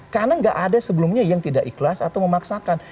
karena gak ada sebelumnya yang tidak ikhlas atau memaksakan